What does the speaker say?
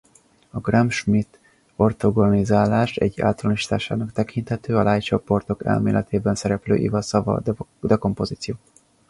A Gram–Schmidt-ortogonalizálás egy általánosításának tekinthető a Lie-csoportok elméletében szereplő Iwasawa-dekompozíció.